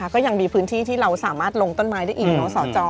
ก็ยังมีพื้นที่ที่เราสามารถลงต้นไม้ได้อีกเนาะสจ